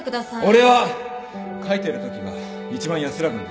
俺は書いてるときが一番安らぐんです。